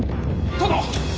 殿！